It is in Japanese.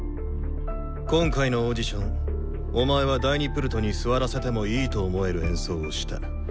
今回のオーディションお前は第２プルトに座らせてもいいと思える演奏をした。